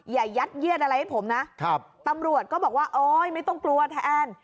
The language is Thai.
อย่ายัดเยียดอะไรให้ผมนะตำรวจก็บอกว่าโอ๊ยไม่ต้องกลัวแทน